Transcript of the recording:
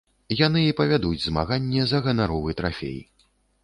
Яны і павядуць змаганне за ганаровы трафей.